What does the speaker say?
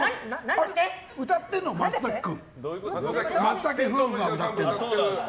歌ってるのは松崎君。